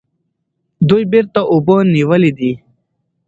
دوی بیرته اوبه نیولې دي.